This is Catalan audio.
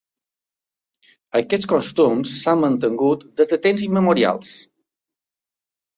Aquests costums s'han mantingut des de temps immemorials.